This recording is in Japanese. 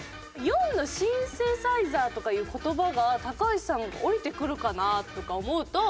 ４の「シンセサイザー」とかいう言葉が橋さん降りてくるかな？とか思うと。